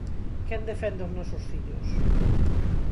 Quen defende os nosos fillos?